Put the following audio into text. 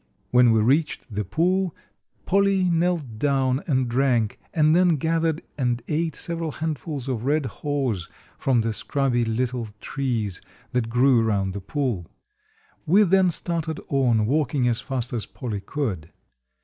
When we reached the pool Polly knelt down and drank, and then gathered and ate several handfuls of red haws from the scrubby little trees that grew around the pool. We then started on, walking as fast as Polly could.